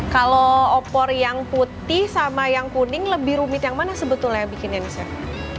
kalau opor yang putih sama yang kuning lebih rumit yang mana sebetulnya bikin ini chef